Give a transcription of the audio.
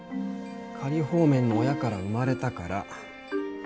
仮放免の親から生まれたから。